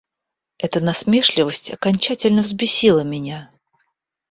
Эта насмешливость окончательно взбесила меня.